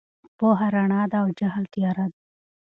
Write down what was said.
پوهه رڼا ده او جهل تیاره ده.